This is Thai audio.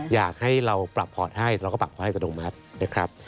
อยากให้เราปรับพอร์ตให้เราก็ปรับพอร์ตอัตโนมัตินะครับ